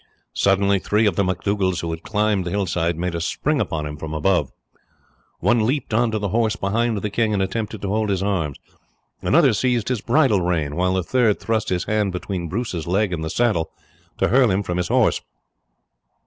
Suddenly three of the MacDougalls, who had climbed the hillside, made a spring upon him from above. One leapt on to the horse behind the king, and attempted to hold his arms, another seized his bridle rein, while the third thrust his hand between Bruce's leg and the saddle to hurl him from his horse.